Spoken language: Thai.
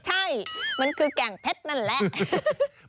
ใช่มันคือแก่งเพชรนั่นแหละ